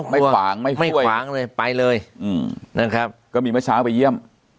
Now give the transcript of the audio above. ไม่ขวางไม่ค่อยไม่ขวางเลยไปเลยอืมนั่นครับก็มีเมื่อช้าไปเยี่ยม